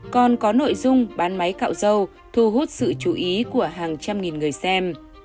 còn có nội dung bán máy cạo dâu thu hút sự chú ý của hàng trăm nghìn người xem